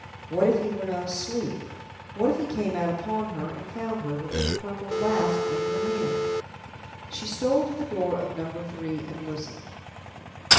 What if he were not asleep? What if he came out upon her, and found her with the Purple Flask in her hand? She stole to the door of Number Three and listened.